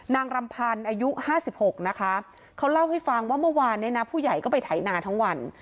นางรำพันธ์อายุ๕๖นะคะเขาเล่าให้ฟังว่าเมื่อวานเนี่ยนะผู้ใหญ่ก็ไปไถนาทั้งวัน